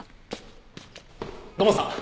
土門さん。